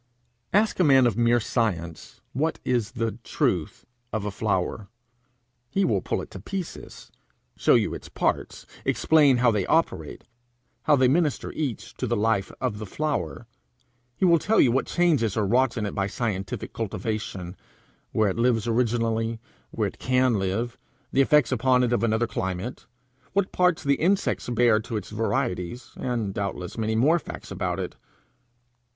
Ask a man of mere science, what is the truth of a flower: he will pull it to pieces, show you its parts, explain how they operate, how they minister each to the life of the flower; he will tell you what changes are wrought in it by scientific cultivation; where it lives originally, where it can live; the effects upon it of another climate; what part the insects bear in its varieties and doubtless many more facts about it.